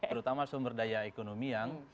terutama sumber daya ekonomi yang